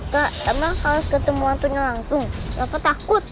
kak emang harus ketemu hantunya langsung kenapa takut